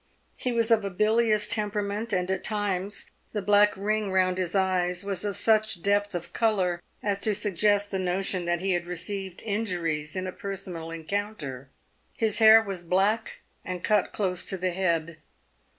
He was of a bilious temperament, and at times the black ring round his eyes was of such depth of colour as to suggest the notion that he had received injuries in a personal encounter. His hair was black, and cut close to the head.